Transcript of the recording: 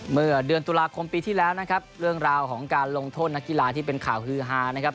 เมื่อเดือนตุลาคมปีที่แล้วนะครับเรื่องราวของการลงโทษนักกีฬาที่เป็นข่าวฮือฮานะครับ